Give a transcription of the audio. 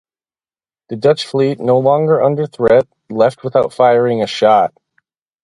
The Dutch fleet, no longer under threat, left without firing a shot.